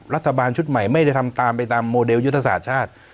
รัฐบาลชุดใหม่ไม่ได้ทำตามไปตามโมเดลยุทธศาสตร์ชาติ